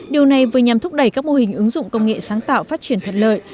điều này vừa nhằm thúc đẩy các mô hình ứng dụng công nghệ sáng tạo phát triển thật lợi